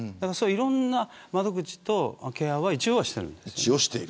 いろんな窓口とケアは一応しているんです。